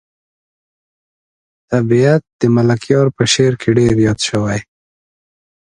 طبیعت د ملکیار په شعر کې ډېر یاد شوی.